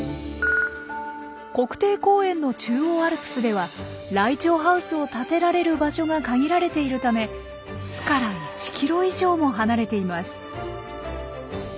国定公園の中央アルプスではライチョウハウスを建てられる場所が限られているため巣から１キロ以上も離れています。